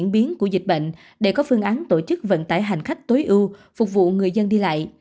bệnh để có phương án tổ chức vận tải hành khách tối ưu phục vụ người dân đi lại